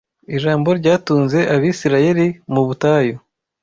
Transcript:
Ijambo ryatunze Abisirayeli mu butayu